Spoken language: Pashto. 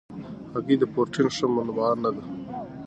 هګۍ د پروټین ښه منبع نه ده.